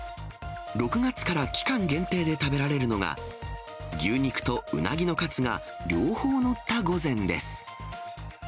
６月から期間限定で食べられるのが、牛肉とうなぎのカツが両方載った御膳です。